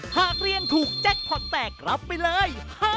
หากเรียนถูกแจ็คพอร์ตแตกรับไปเลย